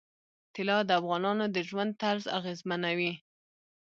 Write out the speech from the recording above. طلا د افغانانو د ژوند طرز اغېزمنوي.